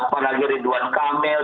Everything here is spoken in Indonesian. panagiri duan kamel